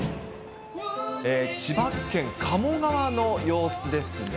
千葉県鴨川の様子ですね。